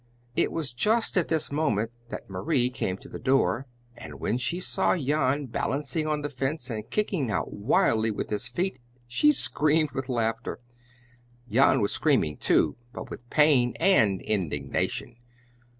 It was just at this moment that Marie came to the door, and when she saw Jan balancing on the fence and kicking out wildly with his feet, she screamed with laughter. Jan was screaming, too, but with pain and indignation.